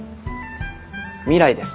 未来です。